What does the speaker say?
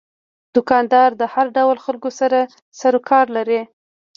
دوکاندار د هر ډول خلکو سره سروکار لري.